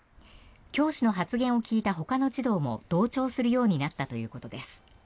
教師の発言を聞いたほかの児童も同調するようになったということです。